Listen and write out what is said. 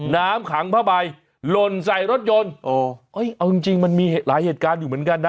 น้ำขังผ้าใบหล่นใส่รถยนต์เอาจริงจริงมันมีหลายเหตุการณ์อยู่เหมือนกันนะ